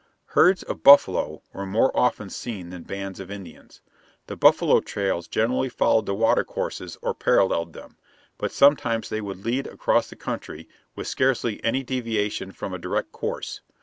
Herds of buffalo were more often seen than bands of Indians. The buffalo trails generally followed the water courses or paralleled them. But sometimes they would lead across the country with scarcely any deviation from a direct course.